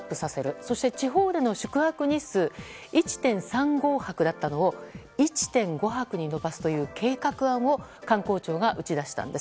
そして、地方での宿泊日数、１．３５泊だったのを１．５履泊に延ばすという計画案を観光庁が打ち出したんです。